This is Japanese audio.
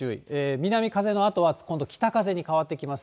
南風のあとは今度北風に変わってきます。